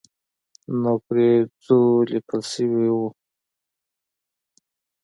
نو پرې ځو لیکل شوي وو.